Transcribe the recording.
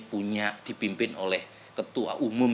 punya dipimpin oleh ketua umum